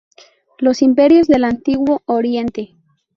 Los Imperios del Antiguo Oriente.